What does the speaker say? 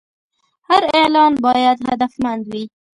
هر اعلان باید هدفمند وي.